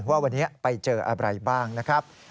ว่าวันนี้ไปเจออะไรบ้างนะครับ